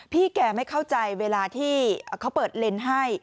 แกไม่เข้าใจเวลาที่เขาเปิดเลนส์ให้